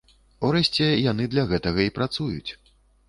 Урэшце, яны для гэтага і працуюць.